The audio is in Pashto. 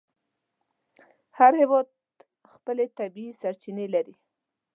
هر هېواد خپلې طبیعي سرچینې لري.